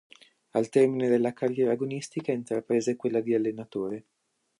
Al termine della carriera agonistica intraprese quella di allenatore.